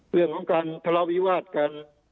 เรื่องของการพระวิวาสกัน